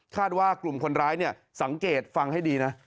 ว่ากลุ่มคนร้ายเนี่ยสังเกตฟังให้ดีนะ